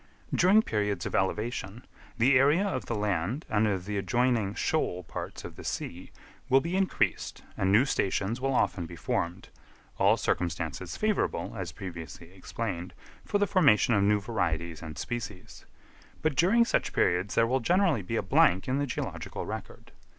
During periods of elevation the area of the land and of the adjoining shoal parts of the sea will be increased and new stations will often be formed—all circumstances favourable, as previously explained, for the formation of new varieties and species; but during such periods there will generally be a blank in the geological record.